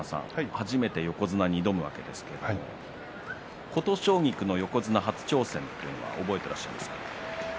初めて横綱に挑むわけですが琴奨菊の横綱初挑戦というのは覚えていらっしゃいますか。